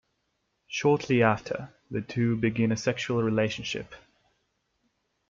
Shortly after, the two begin a sexual relationship.